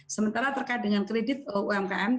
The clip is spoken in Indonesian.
sementara terkait dengan kredit umkm